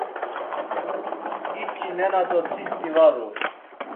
Hiçi nena do tsit̆i var u.